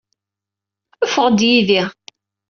Ffeɣ-d yid-i.